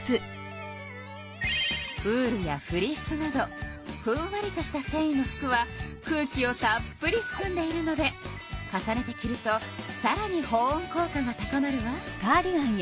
ウールやフリースなどふんわりとしたせんいの服は空気をたっぷりふくんでいるので重ねて着るとさらにほ温効果が高まるわ。